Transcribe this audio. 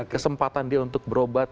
kesempatan dia untuk berobat